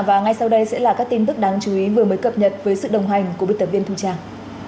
và ngay sau đây sẽ là các tin tức đáng chú ý vừa mới cập nhật với sự đồng hành của biên tập viên thu trang